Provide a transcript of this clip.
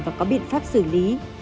và có biện pháp xử lý